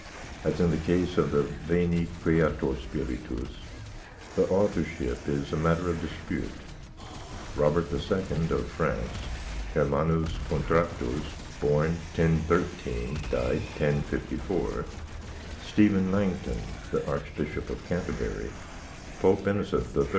As in the case of the Veni, Creator Spiritus, the authorship is matter of dispute. Robert II. of France, Hermannus Contractus (born 1013, died 1054), Stephen Langton the Archbishop of Canterbury, Pope Innocent III.